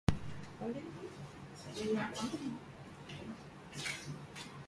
upéicharõ jepe, Maria nomombe'úi mba'evete Luchípe.